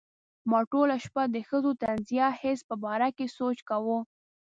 ما ټوله شپه د ښځو د طنزیه حس په باره کې سوچ کاوه.